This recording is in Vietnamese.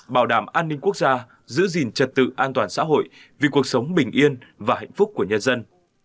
bảo đảm an ninh quốc gia giữ gìn trật tự an toàn xã hội vì cuộc sống bình yên và hạnh phúc của nhân dân